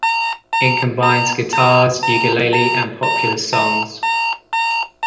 It combines guitars, ukulele, and popular songs.